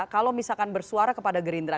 kalau misalkan bersuara kepada gerindra